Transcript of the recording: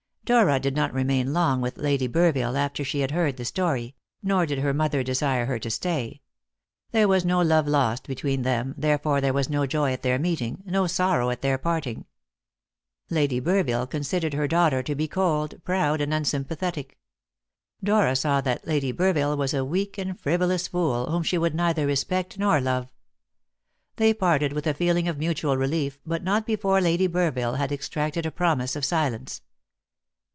Dora did not remain long with Lady Burville after she had heard the story; nor did her mother desire her to stay. There was no love lost between them, therefore there was no joy at their meeting, no sorrow at their parting. Lady Burville considered her daughter to be cold, proud, and unsympathetic. Dora saw that Lady Burville was a weak and frivolous fool, whom she could neither respect nor love. They parted with a feeling of mutual relief, but not before Lady Burville had extracted a promise of silence.